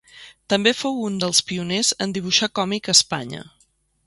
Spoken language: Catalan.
També fou un dels pioners en dibuixar còmic a Espanya.